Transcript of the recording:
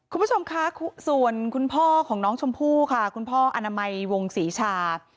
คุณผู้ชมคะส่วนคุณพ่อของน้องชมพู่ค่ะคุณพ่ออนามัยวงศรีชา